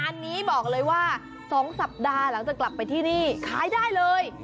อันนี้บอกเลยว่า๒สัปดาห์หลังจากกลับไปที่นี่ขายได้เลย